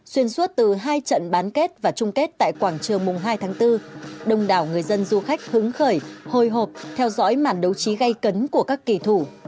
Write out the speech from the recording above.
xuyên suốt từ hai trận bán kết và trung kết tại quảng trường mùng hai tháng bốn đông đảo người dân du khách hứng khởi hồi hộp theo dõi mản đấu trí gây cấn của các kỳ thủ